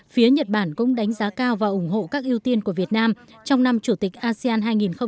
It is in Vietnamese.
phía nhật bản cũng đánh giá cao và ủng hộ các ưu tiên của việt nam trong năm chủ tịch asean hai nghìn hai mươi